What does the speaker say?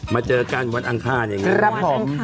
มาเจอกันวันอังคารครับผม